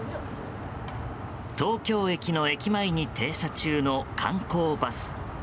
東京駅の駅前に停車中の観光バス。